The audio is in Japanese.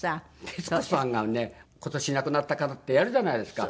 徹子さんがね今年亡くなった方ってやるじゃないですか。